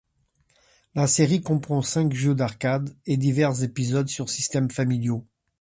La série comprend cinq jeux d’arcade et divers épisodes sur systèmes familiaux.